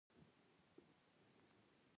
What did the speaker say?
د پکتیکا په تروو کې څه شی شته؟